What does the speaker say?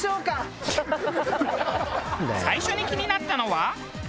最初に気になったのは。